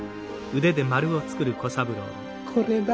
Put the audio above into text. これだ。